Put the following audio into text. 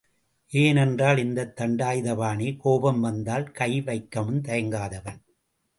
ஏனென்றால், இந்த தண்டாயுதபாணி கோபம் வந்தால் கை வைக்கவும் தயங்காதவன்.